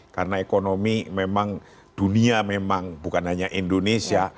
karena ekonomi memang dunia memang bukan hanya indonesia